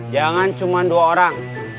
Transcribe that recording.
jangan cuma dua orang